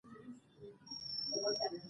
که خویندې ډالۍ ورکړي نو مینه به نه وي کمه.